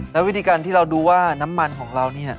แล้ววิธีการที่เราดูว่าน้ำมันของเราเนี่ย